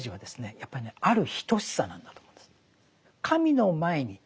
やっぱりねある等しさなんだと思うんです。